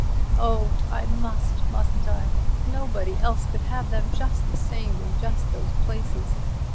"Oh! I must, mustn't I? Nobody else could have them just the same in just those places?